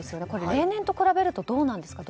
例年と比べるとどうなんですか。